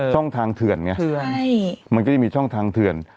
ช่องทางเถื่อนไงมันก็จะมีช่องทางเถื่อน